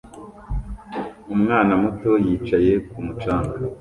Umwana muto yicaye ku mucanga